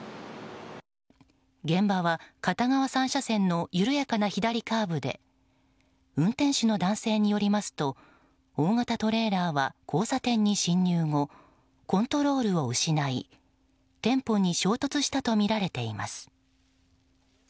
現場は、片側３車線の緩やかな左カーブで運転手の男性によりますと大型トレーラーは交差点に進入後コントロールを失い店舗に衝突したとみられています。